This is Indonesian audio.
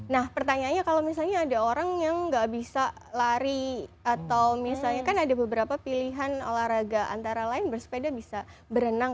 nah pertanyaannya kalau misalnya ada orang yang nggak bisa lari atau misalnya kan ada beberapa pilihan olahraga antara lain bersepeda bisa berenang